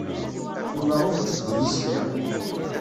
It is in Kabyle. Yuba ur ittebbi isekla.